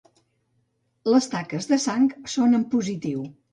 Les taques de sang són en positiu.